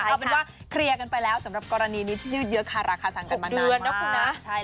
เอาเป็นว่าเคลียร์กันไปแล้วสำหรับกรณีนี้ที่ยืดเยอะคาราคาสังกันมานานนะคุณนะ